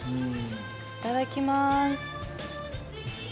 いただきます。